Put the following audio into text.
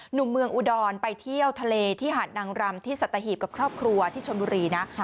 หนุ่มเมืองอุดรไปเที่ยวทะเลที่หาดนางรำที่สัตหีบกับครอบครัวที่ชนบุรีนะ